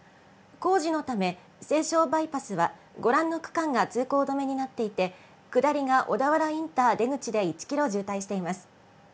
工事のため、西湘バイパスはご覧の区間が通行止めになっていて、下りが小田原インター出口で１キロ渋滞しています。